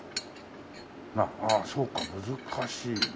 ああそうか難しいな。